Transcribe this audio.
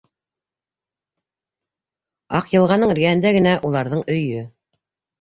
Аҡйылғаның эргәһендә генә уларҙың өйө.